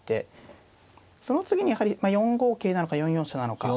その次にやはり４五桂なのか４四飛車なのかという。